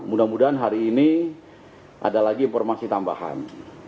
mudah mudahan hari ini ada lagi informasi tambahan